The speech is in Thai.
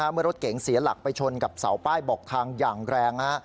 เมื่อรถเก๋งเสียหลักไปชนกับเสาป้ายบอกทางอย่างแรง